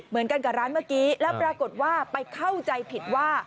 เหมือนกันกับร้านเมื่อกี้แล้วปรากฏว่าไปเข้าใจผิดว่า